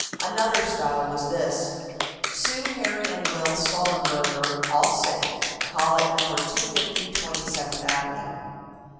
Another style was this: "Sue, Harry and Will Sollenberger all safe. Call at No. 250 Twenty seventh Avenue."